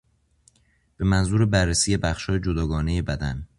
به منظور بررسی بخشهای جداگانهی بدن